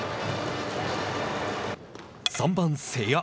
３番瀬谷。